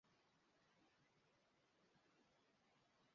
Cães que realizam uma corrida de trenó